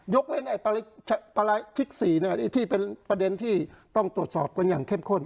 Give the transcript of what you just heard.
ยกเว้นไอ้พระภิกษีนะครับที่เป็นประเด็นที่ต้องตรวจสอบกันอย่างเข้มข้น